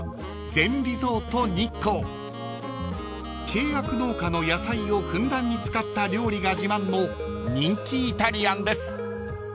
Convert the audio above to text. ［契約農家の野菜をふんだんに使った料理が自慢の人気イタリアンです］